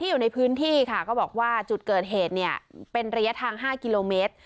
อยู่ในพื้นที่ค่ะก็บอกว่าจุดเกิดเหตุเนี่ยเป็นระยะทาง๕กิโลเมตร